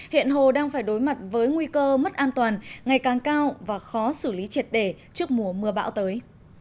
hiện hồ đang phải đối mặt với nguy cơ mất an toàn ngày càng cao và khó xử lý triệt đề trước mùa mưa bão tới